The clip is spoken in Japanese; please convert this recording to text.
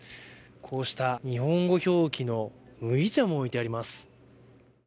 こうした日本語表記の麦茶も置いてあります。